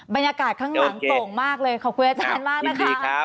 บรรยากาศข้างหลังโต่งมากเลยขอบคุณอาจารย์มากนะคะ